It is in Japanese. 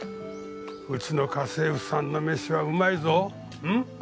うちの家政婦さんのめしはうまいぞ。